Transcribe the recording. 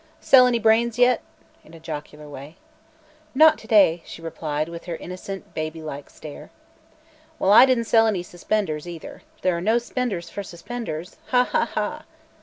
"Sell any brains yet?" in a jocular way. "Not to day," she replied, with her innocent, baby like stare. "Well, I didn't sell any suspenders, either. There are no spenders for _sus_penders. Ha, ha, ha!"